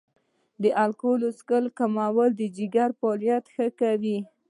د الکول څښل کمول د جګر فعالیت ښه کوي.